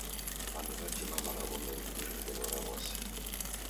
W'andu w'atima malagho mengi iri ngelo ra w'asi.